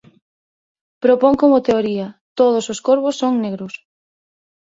Propón como teoría "Todos os corvos son negros".